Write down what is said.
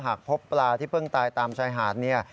หากพบปลาที่เพิ่งตายตามชายหาดเนี่ย